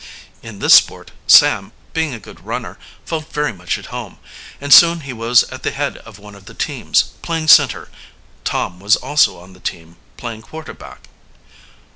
In this sport, Sam, being a good runner, felt very much at home, and soon he was at the head of one of the teams, playing center. Tom was also on the team, playing quarterback.